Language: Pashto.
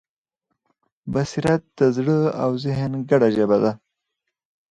بصیرت د زړه او ذهن ګډه ژبه ده.